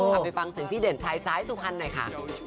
เอาไปฟังสิ่งที่ด่วนชายซ้ายสุภัณฑ์หน่อยค่ะ